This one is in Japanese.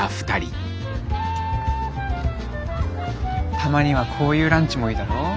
たまにはこういうランチもいいだろ。